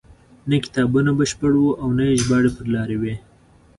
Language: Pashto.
نه کتابونه بشپړ وو او نه یې ژباړې پر لار وې.